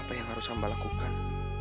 apa yang harus hamba lakukan